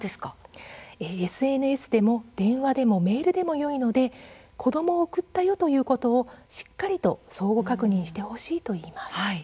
ＳＮＳでも電話でもメールでもよいので子どもを送ったよということをしっかりと相互確認してほしいといいます。